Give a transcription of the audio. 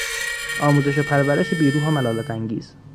آموزش و پرورش بی روح و ملالت انگیز